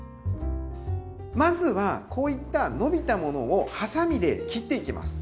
まずはこういった伸びたものをハサミで切っていきます。